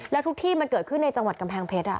แล้วทุกที่มันเกิดขึ้นในจังหวัดกำแพงเพชร